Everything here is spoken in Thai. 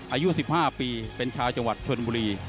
อายุ๑๕ปีเป็นชาวจังหวัดชนบุรี